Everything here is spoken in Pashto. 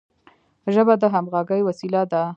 ژبه د همږغی وسیله ده.